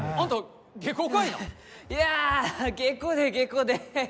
いや下戸で下戸で。